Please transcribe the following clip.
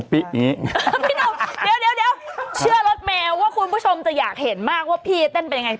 พี่หนุ่มเดี๋ยวเชื่อรถแมวว่าคุณผู้ชมจะอยากเห็นมากว่าพี่เต้นเป็นยังไง